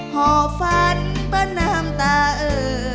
หอบฝันปะน้ำตาเอ่อ